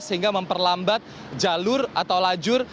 sehingga memperlambat jalur atau lajur